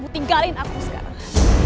kamu tinggalin aku sekarang